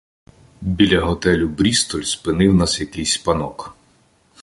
Біля готелю "Брістоль" спинив нас якийсь панок.